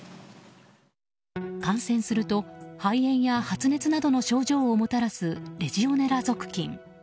感染すると肺炎や発熱などの症状をもたらすレジオネラ属菌。